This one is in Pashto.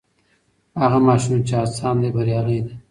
هغه ماشوم چې هڅاند دی بریالی دی.